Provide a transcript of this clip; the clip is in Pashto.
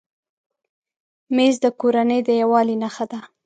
مېز د کورنۍ د یووالي نښه ده.